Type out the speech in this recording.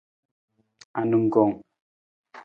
Aningkang.